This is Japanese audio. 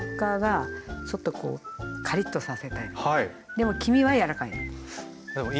でも黄身はやわらかい。